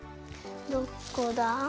どこだ？